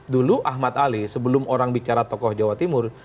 dulu ahmad ali sebelum orang bicara tokoh jawa timur